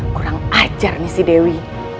kurang ajar nih si dewi